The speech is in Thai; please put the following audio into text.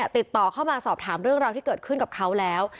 ติดต่อเข้ามาสอบถามเรื่องราวที่เกิดขึ้นกับเขาแล้ว